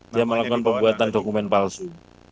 dia melakukan pembuatan dokumen palsu